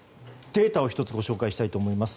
データを１つご紹介します。